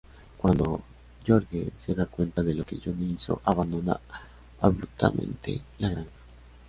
Cuando Gheorghe se da cuenta de lo que Johnny hizo, abandona abruptamente la granja.